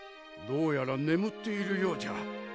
どうやら眠っているようじゃ。